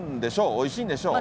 おいしいんでしょう。